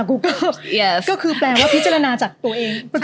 กูก็คือแปลว่าพิจารณาจากตัวเอง